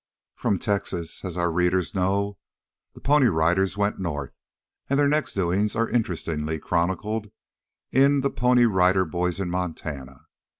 From Texas, as our readers know, the Pony Riders went north, and their next doings are interestingly chronicled in "The Pony Rider Boys In Montana."